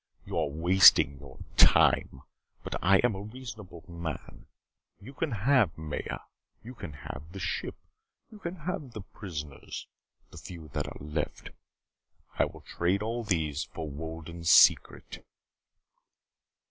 You are wasting your time. But I am a reasonable man. You can have Maya. You can have the ship. You can have the prisoners the few that are left. I will trade all these for Wolden's secret."